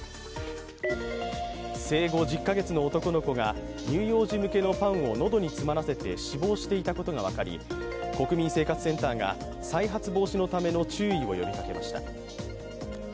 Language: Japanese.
生後１０カ月の男の子が乳幼児向けのパンを喉に詰まらせて死亡していたことが分かり、国民生活センターが再発防止のための注意を呼びかけました。